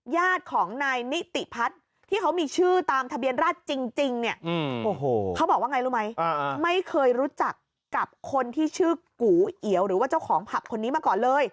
ญาติของนายนิติพัฒน์ที่เขามีชื่อตามทะเบียนราชจริงเนี่ยโอ้โหเขาบอกว่าไงรู้ไหมไม่เคยรู้จักกับคนที่ชื่อกูเอียวหรือว่าเจ้าของผับคนนี้มาก่อนเลย